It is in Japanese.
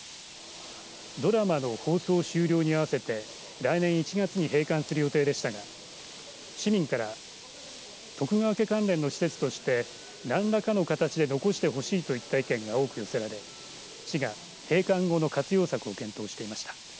ドラマの放送終了後に合わせて来年１月に閉館する予定でしたが市民から徳川家関連の施設として何らかの形で残してほしいといった意見が多く寄せられ市が閉館後の活用策を検討していました。